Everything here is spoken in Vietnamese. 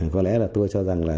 có lẽ là tôi cho rằng là